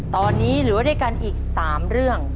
ตอนนี้หรือว่าได้กันอีก๓เรื่อง